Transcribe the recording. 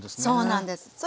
そうなんです。